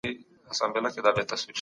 سترګې له ډیر کتلو ستومانه کیږي.